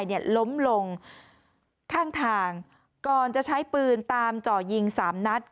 ล้มลงข้างทางก่อนจะใช้ปืนตามเจาะยิงสามนัด